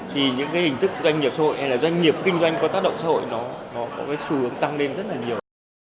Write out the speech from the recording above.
thì những cái hình thức doanh nghiệp xã hội hay là doanh nghiệp kinh doanh có tác động xã hội nó có cái xu hướng tăng lên rất là nhiều